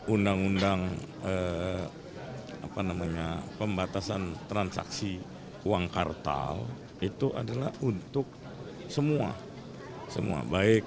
undang undang pembatasan transaksi uang kartal itu adalah untuk semua